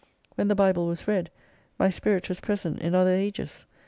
When the Bible was read, my spirit was present in other ages.